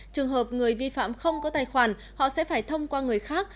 trường hợp người vi phạm không có tài khoản họ sẽ phải thông qua người khác